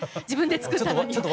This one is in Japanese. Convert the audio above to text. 自分で作ったのに。